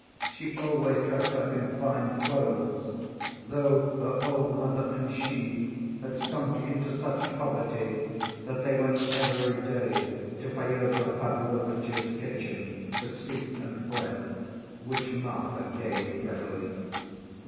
She always dressed up in fine clothes, though her old mother and she had sunk into such poverty that they went every day to Fyodor Pavlovitch's kitchen for soup and bread, which Marfa gave readily.